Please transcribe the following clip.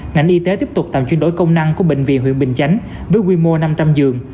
ngành y tế tiếp tục tạm chuyên đổi công năng của bệnh viện huyện bình chánh với quy mô năm trăm linh dường